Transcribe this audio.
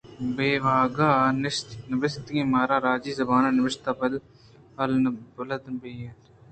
* بے وانگ ءُ نبیسّگ ءَ ما راجی زبان ءِ نبشتہ بَلد نہ بَہ ایں۔